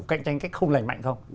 cạnh tranh cách không lành mạnh không